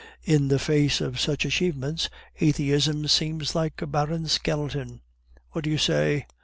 In the face of such achievements, atheism seems like a barren skeleton. What do you say?"